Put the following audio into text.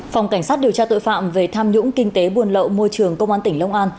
phòng cảnh sát điều tra tội phạm về tham nhũng kinh tế buồn lậu môi trường công an tỉnh long an